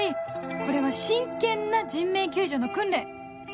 これは真剣な人命救助の訓練